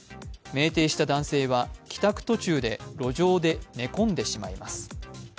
酩酊した男性は帰宅途中で路上で寝込んでしまいます。